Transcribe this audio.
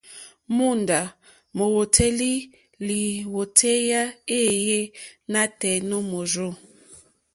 Móǒndá mówélì lìwòtéyá éèyé nǎtɛ̀ɛ̀ nǒ mòrzô.